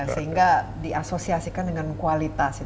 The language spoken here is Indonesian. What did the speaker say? sehingga diasosiasikan dengan kualitas